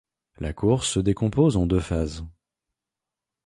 La course se décompose en deux phases.